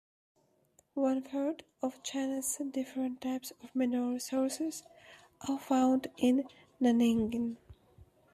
One third of China's different types of mineral resources are found in Nanning.